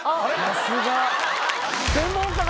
さすが！